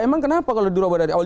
emang kenapa kalau diubah dari awal